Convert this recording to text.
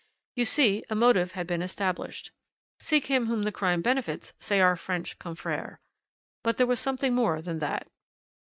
"You see, a motive had been established. 'Seek him whom the crime benefits,' say our French confrères. But there was something more than that.